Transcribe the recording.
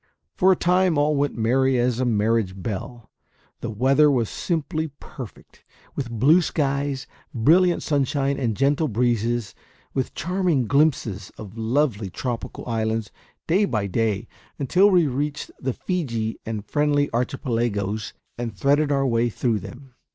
For a time all went merry as a marriage bell; the weather was simply perfect, with blue skies, brilliant sunshine, and gentle breezes, with charming glimpses of lovely tropical islands, day after day, when we reached the Fiji and Friendly Archipelagos and threaded our way through them.